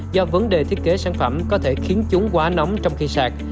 do vấn đề thiết kế sản phẩm khiến chúng quá nóng trong khi sạc